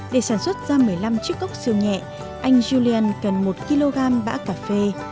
để sản xuất ra một mươi năm chiếc cốc siêu nhẹ anh julian cần một kg bã cà phê